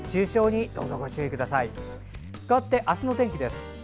かわって明日のお天気です。